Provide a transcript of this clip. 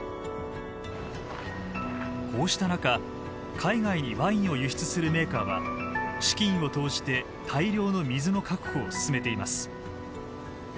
こうした中海外にワインを輸出するメーカーは資金を投じて大量の水の確保を進めています。